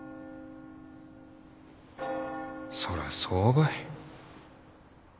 そらそうばい。